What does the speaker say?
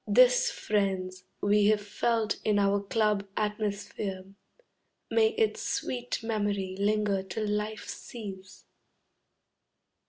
This, friends, we've felt in our Club atmosphere. May its sweet memory linger till life cease!